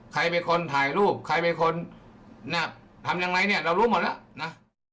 ใครเป็นคนถ่ายรูปใครเป็นคนน่ะทำยังไงเนี่ยเรารู้หมดแล้วนะ